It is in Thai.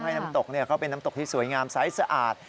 น้ำตกเขาเป็นน้ำตกที่สวยงามไซส์สะอาด